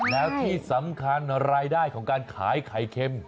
แล้วที่สำคัญรายได้ของการขายไข่เค็ม